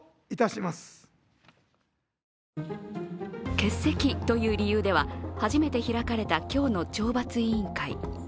欠席という理由では初めて開かれた今日の懲罰委員会。